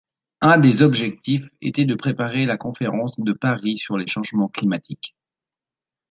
Un des objectifs était de préparer la conférence de Paris sur les changements climatiques.